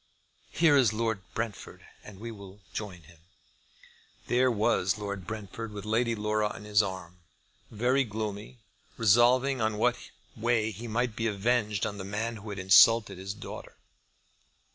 Here is Lord Brentford, and we will join him." There was Lord Brentford with Lady Laura on his arm, very gloomy, resolving on what way he might be avenged on the man who had insulted his daughter.